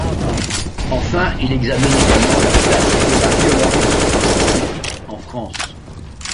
Enfin, il examine également la place de la violence dans la politique en France.